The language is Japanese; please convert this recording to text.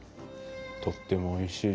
とってもおいしいです。